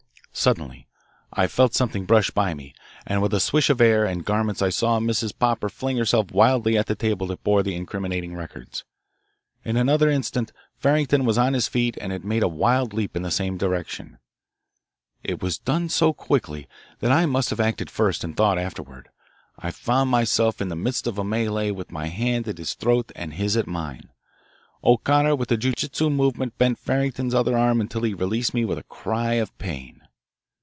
Suddenly I felt something brush by me, and with a swish of air and of garments I saw Mrs. Popper fling herself wildly at the table that bore the incriminating records. In another instant Farrington was on his feet and had made a wild leap in the same direction. It was done so quickly that I must have acted first and thought afterward. I found myself in the midst of a melee with my hand at his throat and his at mine. O'Connor with a jiu jitsu movement bent Farrington's other arm until he released me with a cry of pain.